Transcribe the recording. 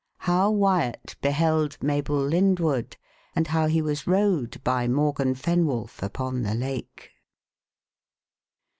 How Wyat beheld Mabel Lyndwood And how he was rowed by Morgan Fenwolf upon the Lake.